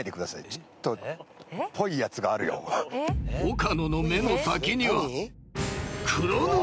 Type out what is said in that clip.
［岡野の目の先には］